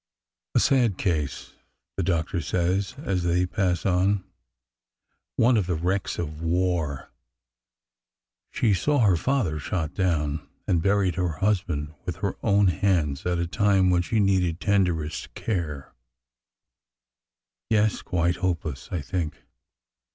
A sad case !'' the doctor says as they pass on. One of the wrecks of war! She saw her father shot down, and buried her husband with her own hands at a time when she needed tenderest care. Yes, quite hopeless, I think.